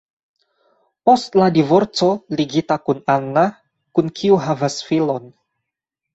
Post la divorco ligita kun Anna, kun kiu havas filon.